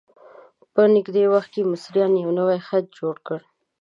په نږدې وخت کې مصریانو یو نوی خط جوړ کړ.